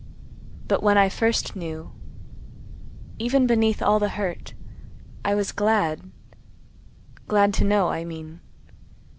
But when I first knew, even beneath all the hurt, I was glad—glad to know, I mean.